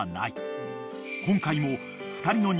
［今回も］